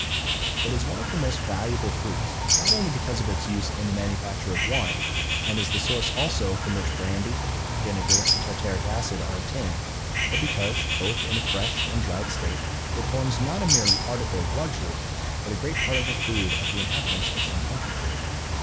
It is one of the most valuable fruits, not only because of its use in the manufacture of wine, and is the source also from which brandy, vinegar, and tartaric acid are obtained, but because, both in a fresh and dried state, it forms not a mere article of luxury, but a great part of the food of the inhabitants of some countries.